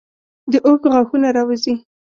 د اوښ غاښونه راوځي.